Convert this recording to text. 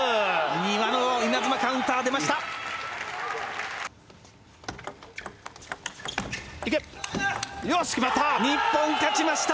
丹羽の稲妻カウンター、出ました。